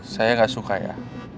saya gak suka ya